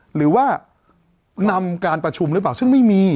หรือว่านำการประชุมหรือเปล่าซึ่งไม่มี